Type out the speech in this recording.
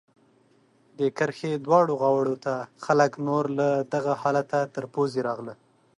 د کرښې دواړو غاړو ته خلک نور له دغه حالته تر پوزې راغله.